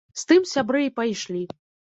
З тым сябры і пайшлі.